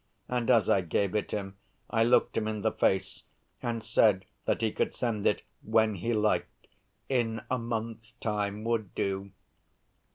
And as I gave it him, I looked him in the face and said that he could send it when he liked, 'in a month's time would do.